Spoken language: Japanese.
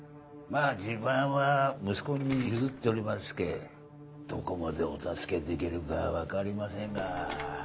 まぁ地盤は息子に譲っちょりますけぇどこまでお助けできるか分かりませんが。